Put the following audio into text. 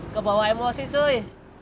kebawa emosi cuy